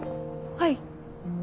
はい。